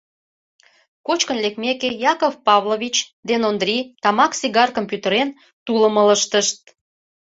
Кочкын лекмеке, Яков Павлович ден Ондрий, тамак сигаркым пӱтырен, тулым ылыжтышт.